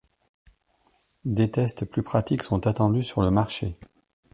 Des tests plus pratiques sont attendus sur le marché.